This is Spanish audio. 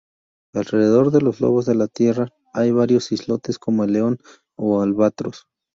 Alrededor de Lobos de Tierra hay varios islotes como El León o Albatros.